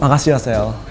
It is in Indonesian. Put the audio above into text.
makasih ya sel